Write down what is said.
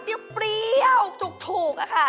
เปรี้ยวถูกอะค่ะ